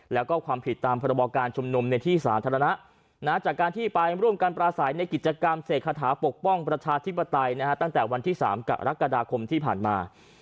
แล้วก็ความผิดตามพรบการชุมนุมในที่สาธารณะจากการที่ไปร่วมกันปราศัยในกิจกรรมเสกคาถาปกป้องประชาธิปไตยตั้งแต่วันที่๓กรกฎาคมที่ผ่านมา